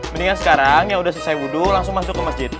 mendingan sekarang yang sudah selesai wudhu langsung masuk ke masjid